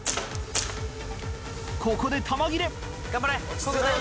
ここで弾切れ！